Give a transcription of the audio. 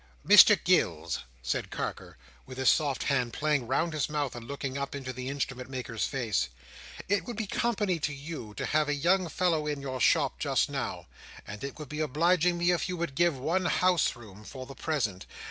"Mr Gills," said Carker, with his soft hand playing round his mouth, and looking up into the Instrument maker's face, "it would be company to you to have a young fellow in your shop just now, and it would be obliging me if you would give one house room for the present.